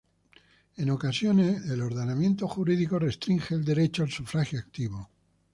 En ocasiones, el ordenamiento jurídico restringe el derecho al sufragio activo.